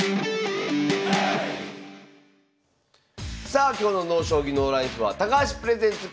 さあ今日の「ＮＯ将棋ＮＯＬＩＦＥ」は「高橋プレゼンツ